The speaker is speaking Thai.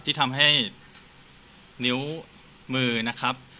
ที่ทำให้นิ้วมือนะครับ